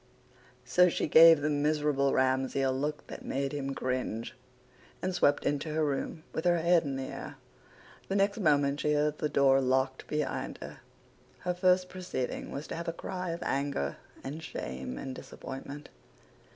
So she gave the miserable Ramsay a look that made him cringe, and swept into her room with her head in the air. The next moment she heard the door locked behind her. Her first proceeding was to have a cry of anger and shame and disappointment.